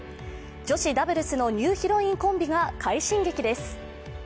女子ダブルスのニューヒロインコンビが快進撃です。